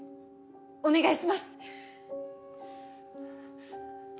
お願いします。